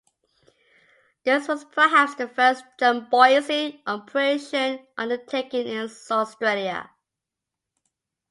This was perhaps the first jumboising operation undertaken in Australia.